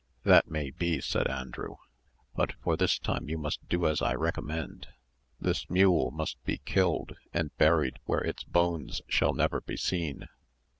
"That maybe," said Andrew; "but for this time you must do as I recommend. This mule must be killed, and buried where its bones shall never be seen."